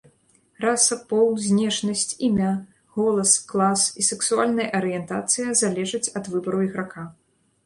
Раса, пол, знешнасць, імя, голас, клас і сексуальная арыентацыя залежаць ад выбару іграка.